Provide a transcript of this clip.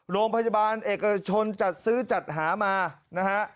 โรงพยาบาลเอกชนจัดซื้อจัดหามานะฮะ